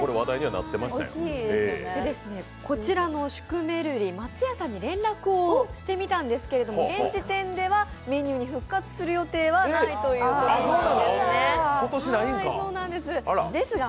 こちらのシュクメルリ松屋さんに連絡をしてみたんですが、現時点ではメニューに復活する予定はないということなんですね。